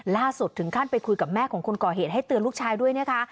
ล่าสุดถึงขั้นไปคุยกับแม่ของคนก่อเหตุให้เตือนลูกชายด้วยนะคะ